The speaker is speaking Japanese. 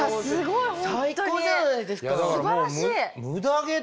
すごい！